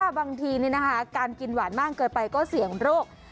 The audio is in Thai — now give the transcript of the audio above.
บางทีการกินหวานมากเกินไปก็เสี่ยงโรค